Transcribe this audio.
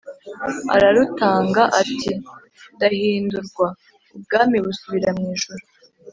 ararutanga ati ndahindurwa! ubwami busubira mw'ijuru,